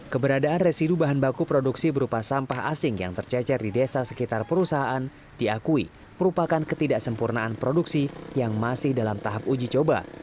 keberadaan residu bahan baku produksi berupa sampah asing yang tercecer di desa sekitar perusahaan diakui merupakan ketidaksempurnaan produksi yang masih dalam tahap uji coba